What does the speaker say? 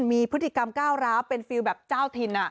มีพฤติกรรมก้าวร้าวเป็นฟิลแบบเจ้าถิ่น